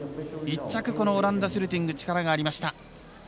１着、オランダシュルティング力がありました。